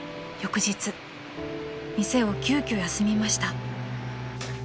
［店を急きょ休みました］